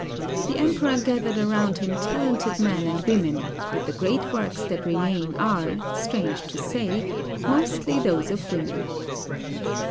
The Emperor gathered around him talented men and women, but the great works that remain are, strange to say, mostly those of women.